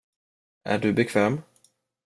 Är du bekväm?